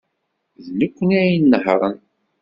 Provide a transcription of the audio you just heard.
D nekkni ay inehhṛen.